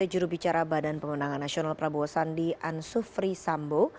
juru bicara badan pemenangan nasional prabowo sandi ansufri sambo